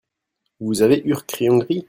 Vous avez ur crayon gris ?